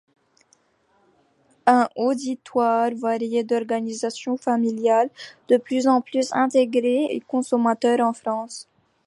Un auditoire varié, d'organisation familiale, de plus en plus intégré et consommateur en France.